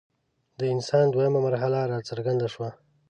د انسان دویمه مرحله راڅرګنده شوه.